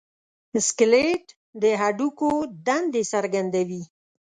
سکلیټ د هډوکو دندې څرګندوي.